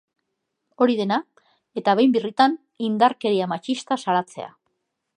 Hori dena, eta behin birritan, indarkeria matxista salatzea.